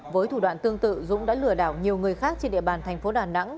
với thủ đoạn tương tự dũng đã lừa đảo nhiều người khác trên địa bàn thành phố đà nẵng